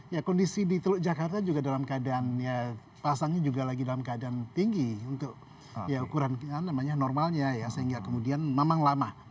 ya kondisi di teluk jakarta juga dalam keadaan ya pasangnya juga lagi dalam keadaan tinggi untuk ya ukuran normalnya ya sehingga kemudian memang lama